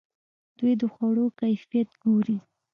دوی د خوړو کیفیت ګوري.